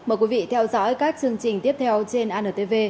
mời quý vị theo dõi các chương trình tiếp theo trên antv